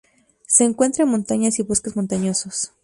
Se encuentra en montañas y bosques montañosos.